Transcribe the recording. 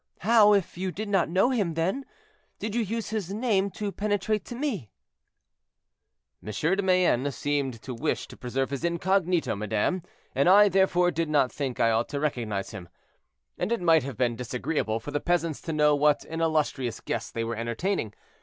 How, if, you did not know him, then, did you use his name to penetrate to me?" "M. de Mayenne seemed to wish to preserve his incognito, madame; and I, therefore, did not think I ought to recognize him; and it might have been disagreeable for the peasants to know what an illustrious guest they were entertaining.